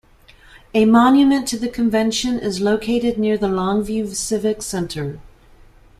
A monument to the convention is located near the Longview Civic Center.